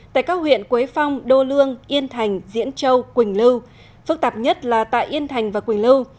tại các huyện quế phong đô lương yên thành diễn châu quỳnh lưu phức tạp nhất là tại yên thành và quỳnh lưu